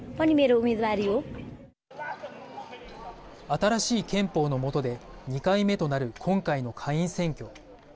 新しい憲法の下で２回目となる今回の下院選挙。